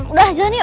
udah jalan yuk